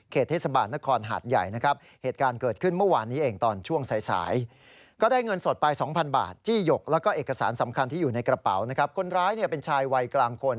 กระเป๋านะครับคนร้ายเป็นชายวัยกลางคน